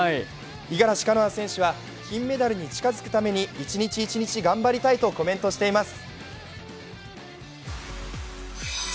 五十嵐カノア選手は金メダルに近づくために一日一日頑張りたいとコメントしています。